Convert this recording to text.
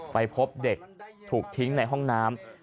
ไปพบเด็กถูกทิ้งในห้องน้ำ